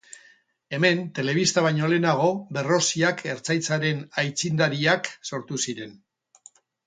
Hemen telebista baino lehenago Berroziak Ertzaintzaren aitzindariak sortu ziren.